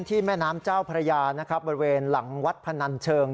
แม่น้ำเจ้าพระยานะครับบริเวณหลังวัดพนันเชิง